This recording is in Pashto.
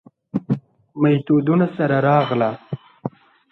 میتودونو سره راغله.